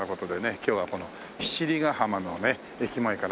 今日はこの七里ヶ浜のね駅前から。